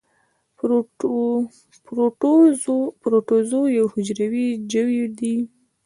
پروټوزوا یو حجروي ژوي دي